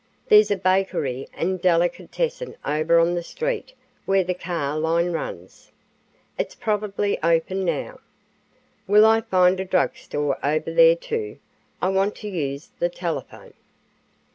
"There's a bakery and delicatessen over on the street where the car line runs. It's probably open now." "Will I find a drug store over there, too? I want to use the telephone."